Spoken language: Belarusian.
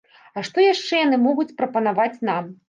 А што яшчэ яны могуць прапанаваць нам?